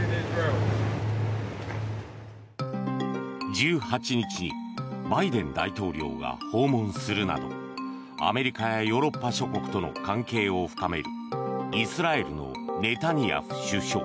１８日にバイデン大統領が訪問するなどアメリカやヨーロッパ諸国との関係を深めるイスラエルのネタニヤフ首相。